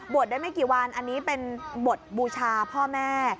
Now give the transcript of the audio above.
ได้ไม่กี่วันอันนี้เป็นบทบูชาพ่อแม่